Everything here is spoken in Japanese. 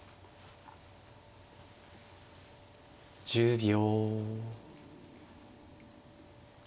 １０秒。